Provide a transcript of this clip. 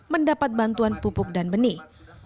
mendapat bantuan pupuk dan benih